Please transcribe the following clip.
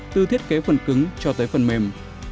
từ thiết kế phần cứng cho tới phần mềm